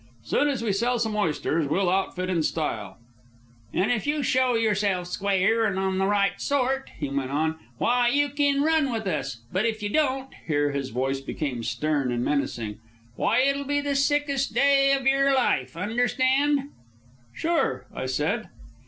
"Soon as we sell some oysters we'll outfit in style." "And if you show yerself square an' the right sort," he went on, "why, you kin run with us. But if you don't" (here his voice became stern and menacing), "why, it'll be the sickest day of yer life. Understand?" "Sure," I said.